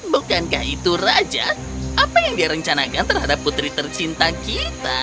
bukankah itu raja apa yang dia rencanakan terhadap putri tercinta kita